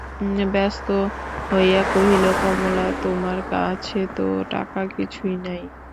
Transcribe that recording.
ব্যস্ত হইয়া কহিল, কমলা, তোমার কাছে তো টাকা কিছুই নাই।